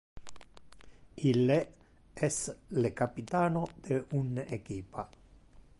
Ille es le capitano de un equipa.